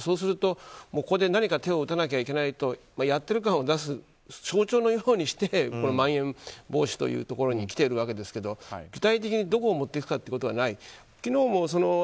そうすると何か手を打たなきゃいけないというやってる感を出す象徴のようにしてまん延防止というところにきてるわけですが具体的にどこに持っていくかということはない。